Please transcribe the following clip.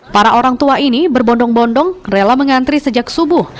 para orang tua ini berbondong bondong rela mengantri sejak subuh